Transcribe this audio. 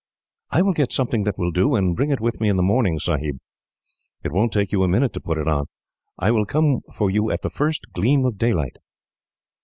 "I will get something that will do, and bring it with me in the morning, Sahib. It won't take you a minute to put on. I will come for you at the first gleam of daylight."